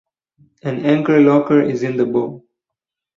An anchor locker is in the bow.